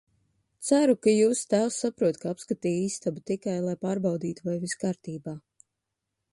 Ceru, ka jūsu tēvs saprot, ka apskatīju istabu tikai, lai pārbaudītu, vai viss kārtībā.